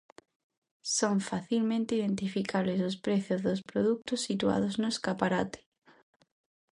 Son facilmente identificables os prezos dos produtos situados no escaparate.